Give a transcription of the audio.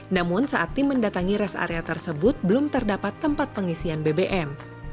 namun saat tim mendatangi res area tersebut belum terdapat tempat pengisian bbm